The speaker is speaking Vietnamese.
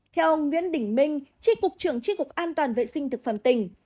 theo ông nguyễn đỉnh minh trị cục trưởng trị cục an toàn vệ sinh thực phẩm tỉnh